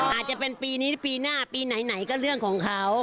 อาจจะเป็นปีนี้หรือปีหน้าปีไหนก็เรื่องของเขา